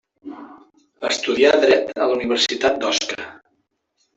Estudià dret a la Universitat d’Osca.